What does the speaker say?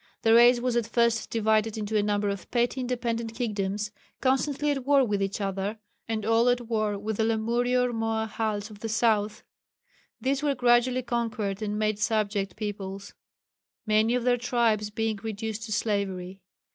The race was at first divided into a number of petty independent kingdoms, constantly at war with each other, and all at war with the Lemurio Rmoahals of the south. These were gradually conquered and made subject peoples many of their tribes being reduced to slavery.